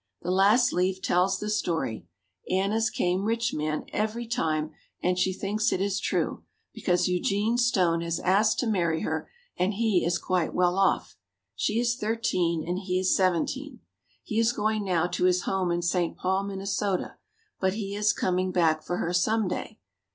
The last leaf tells the story. Anna's came "rich man" every time and she thinks it is true because Eugene Stone has asked to marry her and he is quite well off. She is 13 and he is 17. He is going now to his home in St. Paul, Minn., but he is coming back for her some day.